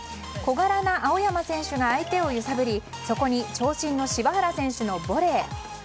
小柄な青山選手が相手を揺さぶりそこに長身の柴原選手のボレー。